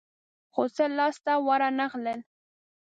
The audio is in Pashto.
خو څه لاس ته ورنه غلل.